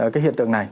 cái hiện tượng này